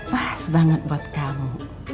pas banget buat kamu